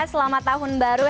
selamat tahun baru